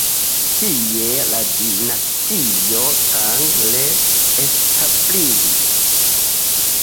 Tie la Dinastio Tang re-establiĝis.